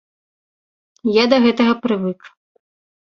Я да гэтага прывык.